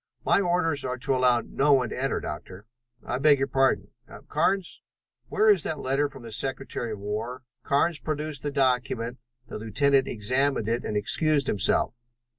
"My orders are to allow no one to enter, Doctor." "I beg your pardon. Carnes, where is that letter from the Secretary of War?" Carnes produced the document. The lieutenant examined it and excused himself.